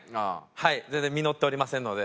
はい全然実っておりませんので。